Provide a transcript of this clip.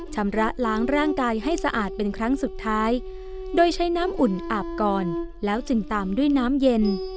ชำระล้างร่างกายให้สะอาดเป็นครั้งสุดท้ายโดยใช้น้ำอุ่นอาบก่อนแล้วจึงตามด้วยน้ำเย็น